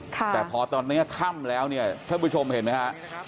แต่พอตอนนี้ค่ำแล้วเนี่ยท่านผู้ชมเห็นไหมฮะ